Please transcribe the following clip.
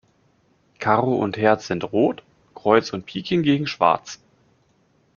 Karo und Herz sind rot, Kreuz und Pik hingegen schwarz.